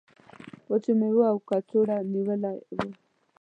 وچو میوو او کڅوړو نیولی و.